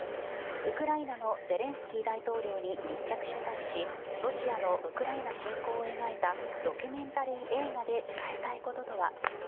ウクライナのゼレンスキー大統領に密着取材しロシアのウクライナ侵攻を描いたドキュメンタリー映画で伝えたいこととは。